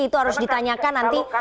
itu harus ditanyakan nanti